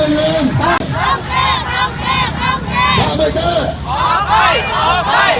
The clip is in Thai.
ออกไปออกไปออกไป